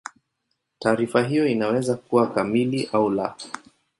Taarifa hiyo inaweza kuwa kamili au la.